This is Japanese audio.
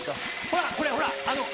ほらこれほらあの。